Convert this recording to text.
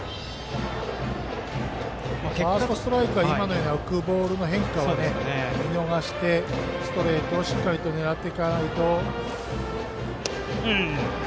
ファーストストライクは今のような浮くボールの変化を見逃してストレートをしっかり狙って。